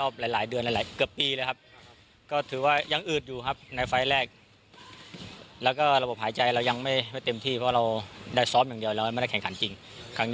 แต่ถ้ามันไม่ได้เลยได้หนึ่งครั้ง